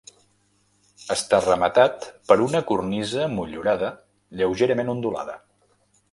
Està rematat per una cornisa motllurada lleugerament ondulada.